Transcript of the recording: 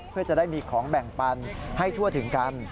เพื่อจะได้มีของแบ่งปันให้ทั่วถึงกัน